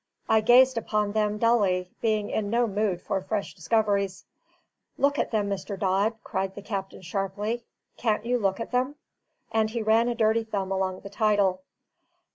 I gazed upon them dully, being in no mood for fresh discoveries. "Look at them, Mr. Dodd," cried the captain sharply. "Can't you look at them?" And he ran a dirty thumb along the title.